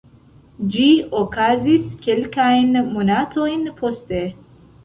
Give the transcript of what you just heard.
Ĝi okazis kelkajn monatojn poste.